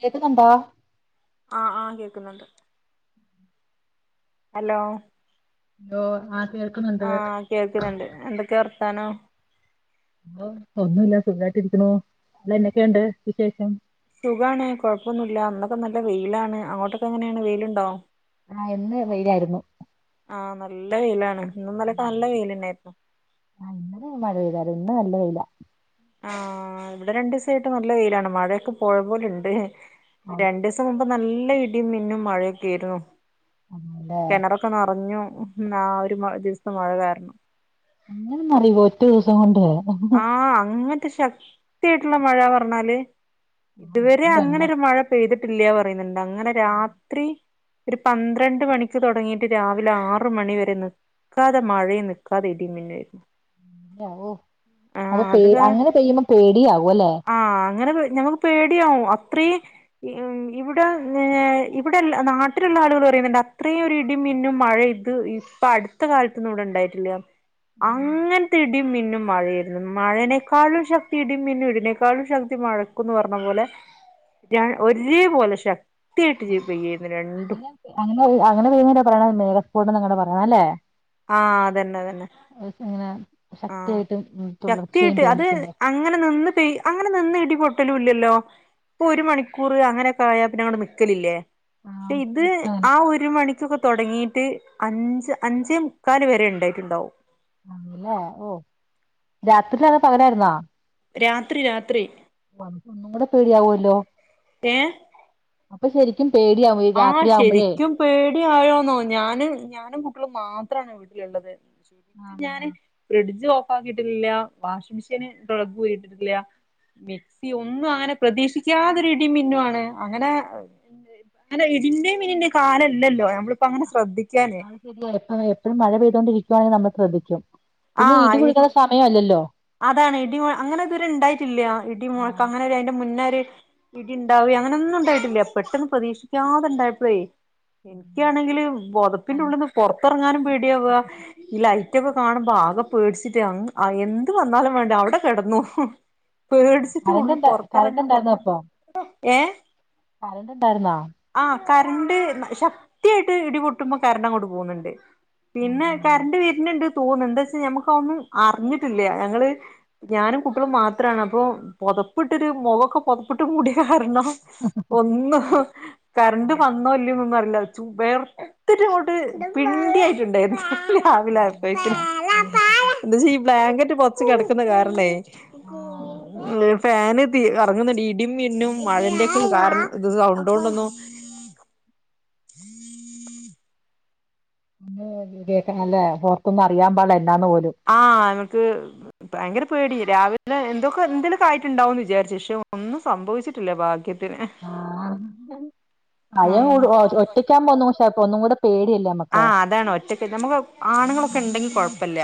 കേക്കുന്നുണ്ടോ? ആ ആ കേക്കുന്നുണ്ട്. ഹലോ ഹലോ ആ കേൾക്കുന്നുണ്ട് ആ കേൾക്ക്ന്ന്ണ്ട് എന്തൊക്കെ വർ ത്താനം ഒന്നുല്ല സുഖായിട്ടിരിക്കുണു. പിന്നെ എന്തൊക്കെയുണ്ട് വിശേഷം. സുഖാണ് കൊഴപ്പൊന്നുല്ല ഇന്നൊക്കെ നല്ല വെയിലാണ് അങ്ങോട്ടൊക്കെങ്ങനെ വെയില്ണ്ടോ? ആ ഇന്ന് വെയിലായിര്ന്നു. ആ നല്ല വെയിലാണ് ഇന്നും ഇന്നലെക്കെ നല്ല വെയിലെന്നെന്നു. ആ ഇന്നലെ മഴ പെയ്തായിരുന്നു ഇന്ന് നല്ല വെയില. ആ ഇവിടെ രണ്ടീസായിട്ട് നല്ല വെയിലാണ് മഴയൊക്കെ പോയ പോല്ണ്ട് രണ്ടീസം മുമ്പ് പ്പം നല്ല ഇടിം മിന്നും മഴയൊക്കേര്ന്നു കെണറൊക്കെ നറഞ്ഞു. മ് ആ ഒരു മ ദിവസത്തെ മഴ കാരണം അങ്ങനെന്നറയോ ഒറ്റ ദിവസം കൊണ്ട് ആ അങ്ങൻത്തെ ശക്തിയായിട്ട്ള്ള മഴ പറഞ്ഞാല് ഇതുവരെ വെള്ളം അങ്ങനൊരു മഴ പെയ്തിട്ടില്ല്യ പറയുന്ന്ണ്ട് അങ്ങനെ രാത്രി ഒരു പന്ത്രണ്ട് മണിക്ക് തൊടങ്ങിയിട്ട് രാവിലെ ആറ് മണി വരെ നി ക്കാതെ മഴേം നിക്കാതെ ഇടിം മിന്നേര്ന്നു. മ് ആ അപ്പൊ പേ കാ അങ്ങനെ പെയ്യുമ്പം പേടിയാവൊല്ലെ. ആഹ് അങ്ങനെ ഞമ്മക്ക് പേടിയാവും അത്രേം മ് ഇവിടെ ഇവിടെ നാട്ടില്ള്ള ആളുകള് പറയുന്ന്‌ണ്ട് അത്രേയൊരു ഇടിമിന്നും മഴേം ഇത് ഇപ്പൊ അടുത്ത കാലത്തൊന്നും ഇവിടെ ഇണ്ടായിട്ടില്ലാന്ന്. അങ്ങൻത്തെ ഇടിം മിന്നും മഴേര്ന്നു. മഴേനെക്കാളും ശക്തി ഇടിം മിന്നും ഇടിനേക്കാളും ശക്തി മഴക്കുംന്ന് പറഞ്ഞ പോലെ- ഞാൻ ഒരേ പോലെ ശ അങ്ങനെ അങ്ങനെ വുന്ന പറയ മേഘഫോട്ടന്ന് അങ്ങനെ പറയണം അല്ലേ ആ ഇങ്ങനെ ആ ശക്തിയായിട്ട് ഉം, തുടർച്ചയായും ശക്തിയായിട്ട് അത് പെയ്തോണ്ടിരിക്കുമ്പോ അങ്ങനെ നിന്ന് പെയ് അങ്ങനെ നിന്ന് ഇടിപൊ ട്ടലുല്ലല്ലോ ഇപ്പൊ ഒരു മണിക്കൂർ അങ്ങനെക്കെ ആയാ പിന്നെ അങ്ങട് നിക്കലില്ലേ ആ ഇത് നിക്കും അങ്ങനെ ആ ഒരു മണിക്കൊക്കെ തൊടങ്ങിട്ട് അഞ്ച് അഞ്ചേ ആണ്ല്ലേ ഓ രാത്രിയിലാന്നോ പകലായിരുന്നോ രാത്രി രാത്രി ഓ അപ്പൊ ഒന്നും കൂടെ പേടിയാവൊല്ലോ അപ്പൊ ശരിക്കും പേടിയാവും ഈ ആ രാത്രിയാവുമ്പോഴേ ശരിക്കും പേടി ആയോന്നോ ഞാനും ഞാനും കുട്ട്യേളും മാ ത്രാണ് വീട്ടിലുള്ളത് ഞാൻ ആഹ് ഫ്രിഡ് ജ് ഓഫ് ആക്കിയിട്ടില്ല വാഷിംഗ് മെഷീന് പ്ലഗ് ഊരിട്ടിട്ടില്ല. മിക്സി ഒന്നും അങ്ങനെ പ്രതീക്ഷിക്കാതൊരു ഇടിം മിന്നു ആണ് അങ്ങനെ അങ്ങനെ ഇടിന്റെയും മിന്നിന്റെയും കാലല്ലോ ഞമ്മളിപ്പോങ്ങനെ ശ്രദ്ധി അത് ശെരിയ എപ്പ എപ്പോഴും മഴ പെയ്തോണ്ടിരിക്കുവാണെ നമ്മൾ ശ്രദ്ധിക്കും ആ പിന്നെ ഇടി കുലിങ്ങണ സമയം അല്ലല്ലോ അതാണ് ഇടിമു അങ്ങനെ ഇതുവരെ ണ്ടായിട്ടില്ല ഇടിമുഴക്കം ആഹ് അങ്ങനെ [unintelligible] മുന്നൊര് ഇടി ണ്ടാവേ അങ്ങനൊന്നും ണ്ടായിട്ടില്ല പെട്ടെന്ന് പ്രതീക്ഷിക്കാതെണ്ടായപ്പഴേ എനിക്കാണെങ്കില് പൊതപ്പിന്റെ ഉള്ളിൽന്ന് പൊറത്തെറങ്ങാനും പേടിയാവ ഇ ലൈ- - റ്റൊക്കെ കാണുമ്പോ ആകെ പേടിച്ചിട്ട് എന്ത് വന്നാലും വേണ്ട അവടെ കെടന്നു പേടിച്ചിട്ട് കറണ്ട് ഉള്ള് ഇണ്ട കറണ്ട് പൊറത്തിറങ്ങാൻ പറ്റ് ഏ കരണ്ട് ണ്ടായിരുന്നോ കരണ്ട് ന ശക്തിയായിട്ട് ഇടിപൊട്ടുമ്പോ കരണ്ട് അങ്ങോട്ട് പോണ് ണ്ട്. പിന്നെ കറണ്ട് വര്ണ് ണ്ട് തോന്ന്ണ്ട് പക്ഷെ ഞമ്മക്കതൊന്നും അറിഞ്ഞിട്ടില്ല. ഞങ്ങള് ഞാനും കുട്ട്യാളും മാത്രാണ് അപ്പൊ പൊതപ്പിട്ടൊരു മൊഖോക്കെ പൊതപ്പിട്ട് മൂടിയ കാരണം ഒന്നും കറണ്ട് വന്നോ ഇല്യേന്നൊന്നും അറില്ല. വേർത്തിട്ട് ങ്ങോട്ട് പിണ്ടി ആയിട്ടുണ്ടായിരുന്നു. രാവിലെ ആയപ്പോഴേക്കും പേടിച്ചിട്ട് എന്താച്ചെ ഈ ബ്ലാങ്കറ്റ് പൊതച്ച് കെടക്ക്‌ണ കാരണേ - - ആഹ് [inaudible] ഫാന് തീ കറങ്ങുന്നുണ്ട് ഇടിമിന്നും മഴന്റെയക്കും കാരണം ത് സൗണ്ടൊണ്ടൊന്നും [inaudible] [unintelligible] അല്ലെ പൊറത്തൊന്നും അറിയാൻ പാടില്ലായിരി ആ നമക്ക് ഭയങ്കര പേടി രാവിലെ എന്തൊക്കെ എന്തെലക്കു ആയിട്ടുണ്ടാവും എന്ന് വിചാരിച്ചു ക്ഷെ ഒന്നും സംഭവിച്ചിട്ടില്ല ഭാഗ്യത് ത്തിന് ആഹ് ആ ഭയം കൂടും ഒറ്റക്കാവുമ്പോ ഒന്നും കൂടെ- ഒന്നും കൂടെ പേടിയല്ലേ ആ നമുക്ക് അതാണ് ഒറ്റക്ക് നമുക്ക് ആ ആണ്ങ്ങളൊക്കെ ണ്ടെങ്കി കൊഴപ്പല്ല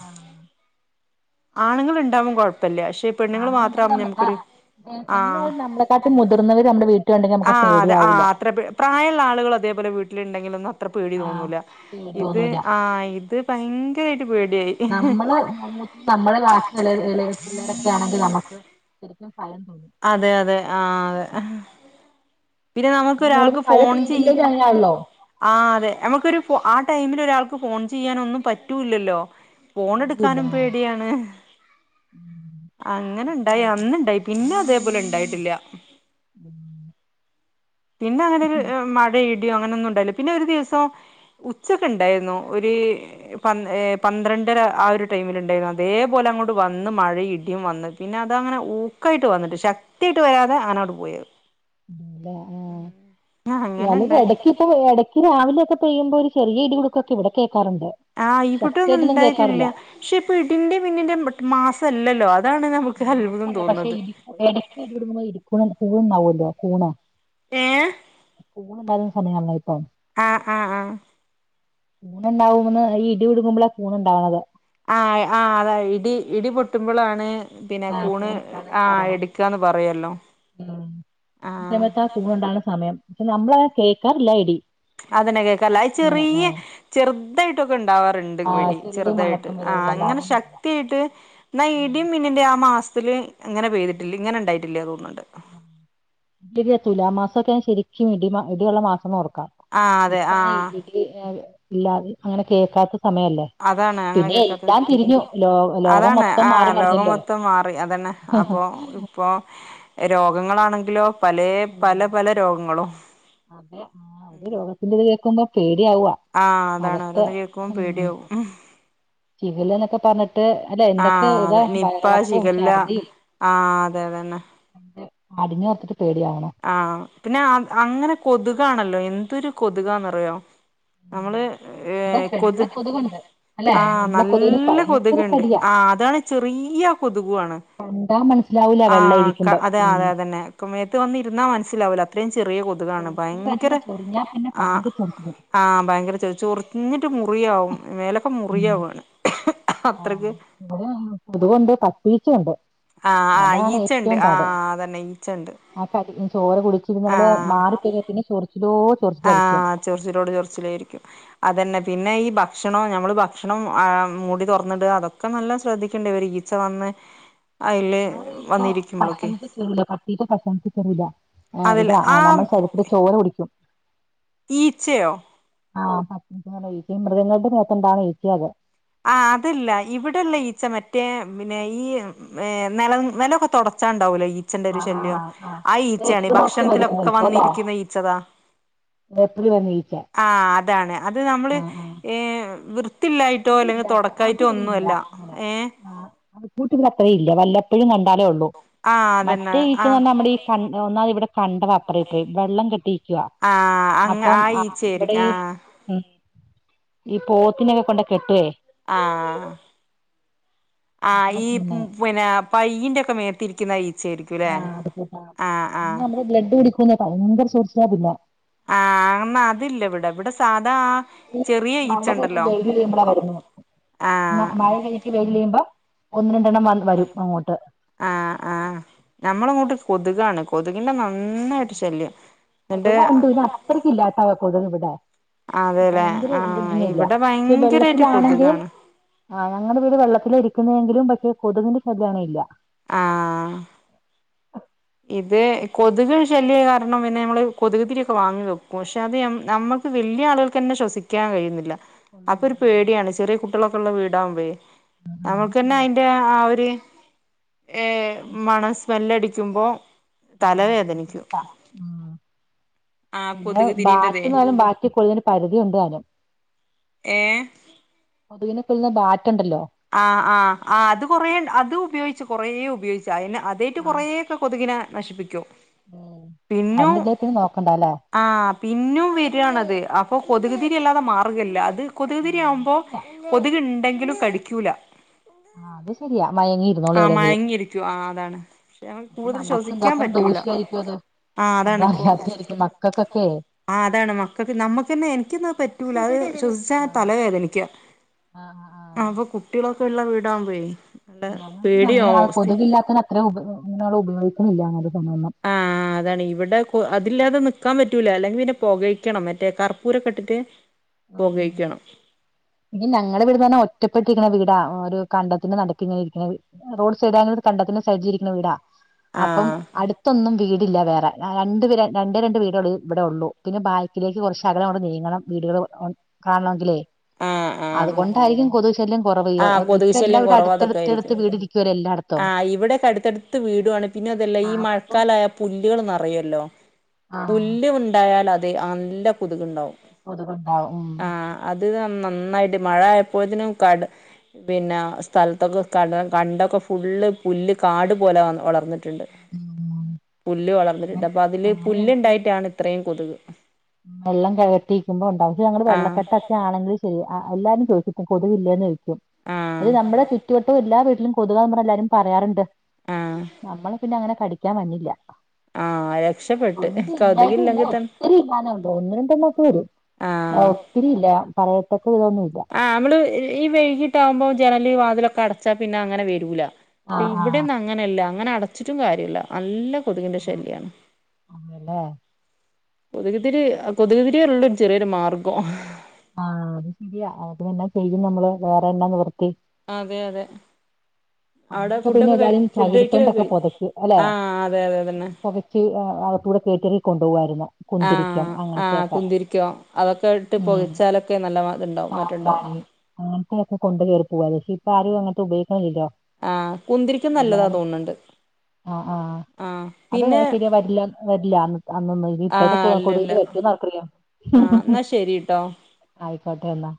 ആ ആണുങ്ങൾ ണ്ടാവുമ്പം കൊഴപ്പില്ല ക്ഷെ പെണ്ണുങ്ങള് ആണെന്നുണ്ടെങ്കിൽ മാത്രാകുമ്പം നമുക്ക് ആ ഞമുക്കൊരു ആ എങ്ങനെയാലും നമ്മളെക്കാട്ടി മുതിർന്നവര് നമ്മുടെ വീട്ടിലുണ്ടെങ്കിൽ ആ നമുക്ക് അതെ ആ പേടിയാവൂല്ല അത്ര പ്രായള്ള ആളുകളൊകെ ഇതേപോലെ വീട്ടില് ഉണ്ടെങ്കിലൊന്നും അത്ര പേടി ആഹ് തോന്നൂല പേടി ഇത് തോന്നൂല ആ ഇത് ഭയങ്കര നമ്മള് നമ്മളെ ബാക്കി എളേ പിള്ളേരൊക്കാണെങ്കിൽ നമുക്ക് ശെരിക്കും അതെ അതെ ആ അതെ പിന്നെ നമുക്ക് അത് നമ്മളിപ്പോ ഒരാൾക്ക് മഴ ഫോൺ ചെയ് പെയ്തില്ലെങ്കിൽ അങ്ങനെയാണല്ലോ ആ അതെ നമുക്കൊരു ഫോ ആ ടൈമിൽ- - ഒരാൾക്ക് ഫോൺ ചെയ്യാനൊന്നും പറ്റൂല്ലല്ലോ അതില്ല ഫോണെടുക്കാനും പേടിയാണ് അങ്ങനെ ണ്ടായി അന്നുണ്ടായി പിന്നെ അതേപോലെ ണ്ടായിട്ടില്ല പിന്നെ അങ്ങനെ ഒരു മഴ ഇടിയോ അങ്ങനെ ഒന്നും ഉണ്ടായില്ല പിന്നെ ഒരു ദിവസം ഉച്ചക്ക്ണ്ടായിരുന്നു ഒരു പൻ പന്ത്രണ്ടര ആ ഒരു ടൈമിൽ ഉണ്ടായിരുന്നു അതേപോലെ അങ്ങോട്ട് വന്ന് മഴയും ഇടിയും വന്നു പിന്നെ അത് അങ്ങനെ ഊക്കായിട്ട് വന്നിട്ട് ശക്തിയാട്ട് വരാതെ അനോട്ട് പോയത് ല്ല ആ അങ്ങനെ അലെങ്കി ഉണ്ടായി ഇടക്ക് ഇപ്പൊ ഇടക്ക് രാവിലെ ഒക്കെ പെയ്യുമ്പോ ഒരു ചെറിയ ഇടികുടുക്കക്കെണ്ട്ക്കെ ആ ഇവിട് ഒന്നും ഇണ്ടായിട്ടില്ല പക്ഷെ ഇപ്പ ഇടിന്റെ മിന്നിന്റെ മാസം അല്ലല്ലോ അ മാസല്ല പക്ഷെ [unintelligible] കൂണുണ്ടാവല്ലോ കൂണ് ഏഹ് കൂണുണ്ടാകുന്ന സമയല്ല ട്ടോ ആഹ് ആ ആ കൂണ് ഉണ്ടാവുമന്ന് ഈ ഇടി കുടുങ്ങുമ്പോളാ കൂണ് ഉണ്ടാവുന്നത് ആഹ് ആ് അതാ ഇടി ഇടി പൊട്ടുമ്പോളാണ് പിന്നെ ആഹ് കൂണ് കൂണുണ്ടാവുന്ന ആ പറയണേ എടുക്കാന്ന് പറയല്ലോ. ഉം ഈ ആഹ് സമയത്താ കൂണുണ്ടാകുന്ന സമയം പക്ഷെ നമ്മളത് കേൾക്കാറില്ല ഇടി. അതിനെ കേക്കല്ലത് അങ്ങനെ ചെറിയ ആഹ് ചെറുതായിട്ടൊക്കെ ഉണ്ടാവാ ണ്ട് വ് ആഹ് ഇടി ചെറിയ ചെറുതായിട്ട് മുഴക്കം ആ വരുവുള്ളൂ അങ്ങനെ അല്ലാതൊന്നുമില്ല ശക്തിയിട്ട് ന്നാ ഇടി മിന്നിന്റെ ആ മാസ് ത്തില് അങ്ങനെ പെയ്തിട്ടില്ല ഇങ്ങനെ ഉണ്ടായിട്ടില്ല [unintelligible] [unintelligible] തുലാമാസക്കെ ശരിക്കും ഇടി ഇടിയുള്ള മാസം ന്ന് പറെ ആഹ് അതെ ഇപ്പങ്ങനെ ആഹ് ഇ ഇല്ലാതെ അങ്ങനെ കേക്കാത്ത സമയല്ലേ അതാണ്. അങ്ങനെ പിന്നെ കേൾക്കാത്ത. എല്ലാം തിരിഞ്ഞു ലോ ലോകം അതാണ് മൊത്തം ആ മാറി ലോകം മറിഞ്ഞല്ലോ മൊത്തം മാറി. അതന്നെ അപ്പൊ. ഓ ഇപ്പോ രോഗങ്ങളാണെങ്കിലോ. പലേ പല ഉം പല രോഗങ്ങളും അതെ ആഹ് ഒരു ഉം രോഗത്തിന്റെത് കേൾക്കുമ്പോ പേടിയാവുവാ ആഹ് അതാണ് അവസ്ഥ ഓരോന്ന് കേക്ക്മ്പോ പേടിയാവും. ഷിഗലേന്നെക്കെ പറഞ്ഞി ട്ട് അല്ലേ. ആ എന്തെക്കെയിതാ അതെ നിപ്പ വയറിളക്കവും ശിഖല്ല ഛർദിം. ആ അതെ അതന്നെ അടിഞ്ഞോത്തിട് ആഹ് പിന്നെ അങ്ങെനെ കൊതുകാണല്ലോ. എന്തൊരു കൊതുകാന്നറിയോ. നമ്മെള് അതാ ഏഹ് വെള്ള കൊതു കൊതുകുണ്ട് അല്ലെ ആഹ് വെള്ള കൊതുകിന് നല്ല ഭയങ്കര കൊതുക്കെണ്ട് കടിയാ ആ അതാണ് ചെറി യ കൊതുകുവാണ് എന്താ മനസ് ആഹ് ക അതെയതെ അതന്നെ മേത്ത് വന്നിരുന്നാ മനസ്സിലാവൂലോ. ചെറിയ കൊതുകാണ്. ചൊറിച്ചിൽ ഭയങ്കര വരുന്ന ചൊറിഞ്ഞാ പിന്നെ ആ ഭയങ്കര ചൊറിച്ചില് ആ ഭയങ്കര ചൊറി. ചൊറിഞ്ഞിട്ട് മുറു യാവും മേലേക്കെ മുറിയാവാണ് ആ അത്രക്ക് കൊതുകുണ്ട്. കൊതുകൊണ്ട്. പത്തീച്ച യൊണ്ട്. ആഹ് ആഹ് അതാണ് ഈച്ചണ്ട് ഏറ്റവും പാട്. ആഹ് അതന്നെ ഈച്ചണ്ട് ആ തടിയ ചോര കുടിച്ചിട് നമ്മെള് ആഹ് മാറിക്കഴിഞ്ഞാപ്പിന്നെ ചൊറിച്ചിലോട് ആഹ് ചൊറിച്ചിലോട് ചൊറിച്ചിലാരിക്കും. അതന്നെ പിന്നെയി ഭക്ഷണം നമ്മെള് ഭക്ഷണം ആ മൂടി തൊറന്നിടുക. അതൊക്കെ നല്ല ശ്രദ്ധിക്കേണ്ടയൊരു ഈച്ച വന്ന് അയില് ആയിപ്പ വന്നിരിക്കുമ്പളൊക്കെ ഭക്ഷണത്തി കേറീല്ല. പട്ടീടെ ഭക്ഷണത്തി കേറൂല. അതിൽ ഇതാ ആഹ് നമ്മുടെ ശരീരത്തി ലെ ചോര കുടിക്കും ഈച്ചയോ ആ പച്ചിച്ചേന. മൃഗങ്ങളുടെ ദേഹ്ത്തൊണ്ടാക്കുന്ന ഈച്ചയത്. ആ അതല്ല. ഇവെടെള്ള ഈച്ച മറ്റേ പിന്നെ ഈ നില നിലൊക്കെ തൊട ച്ചൊണ്ടാവൂല ഈ ച്ചന്റെ ഒര്. ആഹ് ശല്യോ. ആഹ് ആഹ് ആ ഈച്ചയാണ് ഈ ഏപ്രിൽ മാസത്തിൽ വരുന്ന ഭക്ഷണത്തിലൊക്കെ ഈച്ച അല്ലേ വന്നിരിക്കുന്ന ഈച്ചതാ. ഏപ്രിൽ വരുന്ന ഈച്ച ആഹ് അതാണ്. അത് നമ്മള് ഏഹ് വൃത്തിയു അതില്ലട്ടോ. അതിവിടെയില്ല. അങ്ങനെ ഏ ആഹ്. അത് കൂട്ടിൽ അത്രേയില്ല. വെല്ലപ്പോഴും കണ്ടാലേ ഉള്ളൂ. ആ അതന്നെ മറ്റേ ഈച്ച ആ തന്നെ നമ്മെടെയി കൺ ഒന്നാത് ഇവെടെ കണ്ടതാപ്പറേപ്പിറേയും വെള്ളം കെട്ടിയിക്കുവ. ആ അങ്ങ അപ്പം ആ അ ഈച്ചയായിരിക്കും ഇവെടെയി ആ ഉ ഈ പോത്തിനെക്കെ കൊണ്ട് കെട്ടുവേ. ആ ആ ഈ പിന്നെ പയ്യിന്റെ മേത്തിരിക്ക്ന്ന ഈ ആ അതെക്കെട്ടോ അത് നമ്മെടെ ബ്ലഡ് കുടിക്കുന്ന ഭയങ്കര ചൊറിച്ചില്ലാ പിന്നെ. ആ അന്നാ അതില്ലവെടെ ഇവെടെ സാ രീം നല്ല ധൈര്യം വെയ്ലു വെരുമ്പളാ വെരുന്നേ. മ ആഹ് മഴ കഴിഞ്ഞിട്ട് വെയ്ല് വെരുമ്പോ. ആ ആ ഞമ്മളിങ്ങോട്ട് കൊതുകാണ്. കൊതുകിന്റെ മ കൊതുക്കൊണ്ട്. ടെ അത്രക്കില്ലാട്ടാ കൊതുകി വെടെ. അതെല്ലേ ഭയങ്കര ആഹ് ഇതൊന്നുല്ല. ഇവിടെ പക്ഷെ ഭയങ്കരായിട്ട് വെള്ളത്തിലാണങ്കേ. കൊതുകാണ് ആ് ഞങ്ങടെ വീട് വെള്ളത്തിരിക്കുന്നവെങ്കിലും പക്ഷേ കൊതുകിന്റെ ശല്യങ്ങണേയില്ല. ആഹ് ഇത് കൊതുക് ശല്യവാ കാരണം പിന്നെ ഞങ്ങെള് കൊതുകുതിരിക്കെ വാങ്ങിവെക്കും. പക്ഷെ അത് ഞ നമ്മെക്ക് വെല്യായാളുകൾക്ക് തന്നെ ശ്വസിക്കാൻ കഴിയുന്നില്ല. അപ്പൊ ഒരു പേടിയാണ്. ചെറിയ കുട്ടികളൊക്കൊള്ള വീടാവുമ്പഴേ. നമ്മെക്ക് ന്നെ ഇല്ല അയിന്റെ ആ ഒര്. ഏർ മണ സ്മെല്ലടിക്കുമ്പോ ആഹ തലവേദനിക്കും ബുദ്ധിമുട്ടാ ഉ ആ പിന്നെ കൊതുക് തിരീന്റെതേ ബാറ്റുന്നാലും ബറ്റി കൊളതിന് പരിധി ഉണ്ട് താനും ഏ ഇ ബാറ്റണ്ടല്ലോ ആ ആ ആ അത് കൊറ അത് ഉപയോഗിച്ചു കൊറേ ഉപയോഗിച്ചു ചൈന അതായിട്ട് കുറെേയ ഒക്കെ കൊതുകിനെ നശിപ്പിക്കുമോ ഉം പിന്നും കറണ്ടില്ലേ പിന്നെ നോക്കണ്ടാല്ലേ ആ പിന്നും വരിണത് അപ്പൊ കൊതുക്ുതിരി അല്ലാതെ മാർഗല്ല അത് ആഹ് കൊതുക്തിരിയാവുമ്പോൾ ശരിയാ കൊതുക് ഉണ്ടെങ്കിലും കടി അക്കല ആ അത് ശരിയാ മയങ്ങിയിരുന്നോളും ആ എവിടെയെങ്കിലും മയ്‌ങ്ങിയിരിക്കുവ ആ അതാണ് പക്ഷെ ഞങ്ങക്ക് അപ്പൊ കൂടുതൽ നമുക്ക് ശ്വസിക്കാൻ എന്താക്കണം പറ്റൂല ദൂഷ്യായിരിക്കും അത് ആ അതാണ് ഇ അതല്ലാത്തായിരിക്കും മക്കൾക്കൊക്കെ ആ അതാണ് മക്ക നമ്മുക്ക്ന്നെ എനിക്കന്താ പറ്റ റ്റ അത് ശ്വസിച്ച ആഹ് തലവേത എനിക്ക് ആഹ് അപ്പൊ കുട്ടികളൊ ക്ക ഉള്ള വീടാകുമ്പയേ നല്ല ആഹ് ആഹ് അങ്ങനെ പേടിയാവും സ്ഥി കൊതുകില്ലാത്തന് അത്ര ഉപ ഉപയോഗിക്കുന്നില്ലത് ആ അതാണ് ഇവിടെ അതില്ലാതെ ന നക്കാൻ പറ്റൂല അല്ലെങ്കിൽ പിന്നെ പുകഴണം മറ്റേ കർപ്പൂരൊക്കെ ഇട്ട് ഉ ഇനി ഞങ്ങളുടെ ഇവിടുന്ന് പറഞ്ഞാ ഒറ്റപ്പെട്ട രിക്കുന്ന വീട ഒരു കണ്ടത്തിന് നടക്കിഞ്ഞിരിക്ക റോഡ് സൈഡ് ആയ കണ്ടത്തിന്റെ സൈഡൈ ഇരിക്കുന്ന വീടാ അപ്പം ആഹ് അടുത്തൊന്നും വീട് ഇല്ല വേറെ രണ്ട രണ്ടേ രണ്ട് വീടുക ഇവിടെ ഉള്ളൂ പിന്നെ ബാക്കിലേക്ക് കുറച്ചകലം അവിടെ നീങ്ങണം വീടുകൾ കാണണമെങ്കില്ലേ ആഹ് ആഹ് അതുകൊണ്ടായിരിക്കും കൊതുശല്യം കുറവ ആഹ് കൊതുക് ഇപ്പ ശല്യം എല്ലാടെ കുറവ് അതൊക്കെ അടുത്തടുത്ത് ആയിരിക്കും വീ ആഹ് ഇവിടെക്കെ അടുത്തടുത്ത് വീടുണ് പിന്നെ അതല്ല ഈ അപ്പം മഴക്കാലായ പുല്ലുകൾന്നറിയും ആഹ് പുല്ല് ഉണ്ടായാൽ അത് നല്ല കൊതുകുണ്ടാവും അതുകൊണ്ടാവും ഉം ആഹ് അത് നന്നായിട്ട് മഴ ആയപ്പോതിനും കാട് പിന്നെ സ്ഥലത്തൊക്കെ ക കണ്ടൊക്കെ ഫുള്ള് പുല്ല് കാട് പോലെ വളർന്നിട്ട് ണ്ട് ഉം ഉം പുല്ല് വളർന്നിട്ടുണ്ട് അങ്ങനെ അപ്പൊ അതില് അങ്ങനെയായിരിക്കും പുല്ല്ണ്ടായിട്ടാണ് ഇത്രയും കൊതുക് വെള്ളം കട്ടിരിക്കുമ്പോ ഉണ്ടാവും പക്ഷെ ഞങ്ങ ആഹ് വെള്ളക്കെട്ടൊക്കെ ആണെങ്കും ശരി എല്ലാരും ചോദിച്ചിട്ടും കൊതുവില്ലേന്ന് ചോദിക്കും അക്ഷ ആഹ് നമ്മുടെ ചുറ്റുവട്ടവും എല്ലാ വീട്ടിലും പൊതുവെ നമ്മുടെ എല്ലാരും പറയാറുണ്ട് ആഹ് നമ്മളെ പിന്നെ അങ്ങനെ കടിക്കാൻ പന്നില്ല ആഹ് രക്ഷപ്പെട്ട് ഇല്ല കതുകില്ലെങ്കി തന്ന ഒത്തിരി ഇല്ലാന്നുണ്ട് ഒന്ന് രണ്ടന്നൊക്കെ വരും ഒത്തിരി ഇല്ല പറയാ ആഹ് നമ്മള് ഈ വൈകീട്ട് ആവുമ്പോ ജനല് വാതിലൊക്കെ അടച്ചാ പിന്നെ അങ്ങനെ വെരൂല. പി ആഹ് ആഹ് ഇവിടൊന്നും അങ്ങനെയല്ല അങ്ങനെ അടച്ചിട്ടും കാര്യല്ല, നല്ല കൊതുകിന്റെ ശല്യം. അതല്ലേ കൊതുകുതിരി കൊതുകുതിരി [unintelligible] ഒരു ചെറിയൊരു മാർഗം. ആഹ് അത് ശരിയാ അത് [unintelligible] ചെയ്യും നമ്മള് വേറെ എന്നാ നിവൃത്തി. അതെ അതെ. അവിടെ പണ്ടൊക്കെ പിന്നെ ഫുഡൊക്കെ കഴി എല്ലാരും ഫുഡ് കഴിക്കലൊക്കെ ചകിരിത്തൊണ്ടൊക്കെ കഴിഞ്ഞോ [unintelligible] അല്ലെ ആഹ് അതെ അതെ അതന്നെ [unintelligible] കൂടെ [unintelligible] കൊണ്ട് പോകുവായിരുന്നു. ആ ആഹ് കുന്തിരിക്കോ അതൊക്കെ ഇട്ട് പൊകച്ചാലൊക്കെ നല്ല മാ ഇത്ണ്ടാവും മറ്റോണ്ടാവും. [unintelligible] അങ്ങനത്തൊക്കെ കൊണ്ട് കേറി പോവാ [unintelligible] ഇപ്പ ആരും അങ്ങനത്തെ ഉപയോഗിക്കണില്ലല്ലോ. ആഹ് കുന്തിരിക്കം നല്ലതാ എല്ലാരും തോന്നുന്നുണ്ട്. ആഹ് ആഹ് അത് ആഹ് ശെരിയാ വരില്ല വരില്ലന്ന് അന്നൊന്ന് ഇനി ഇപ്പഴത്തെ ആഹ് കൊ ഇല്ലല്ല കൊതുകിന്റെ [unintelligible] ആർക്കറിയാ. ആഹ് എന്നാ ശെരിട്ടോ. ആയിക്കോട്ടെ എന്നാ.